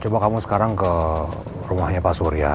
coba kamu sekarang ke rumahnya pak surya